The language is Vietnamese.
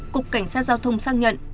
cục cảnh sát giao thông xác nhận